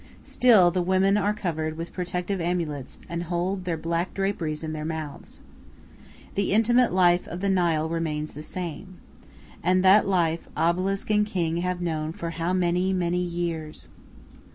Still the women are covered with protective amulets and hold their black draperies in their mouths. The intimate life of the Nile remains the same. And that life obelisk and king have known for how many, many years!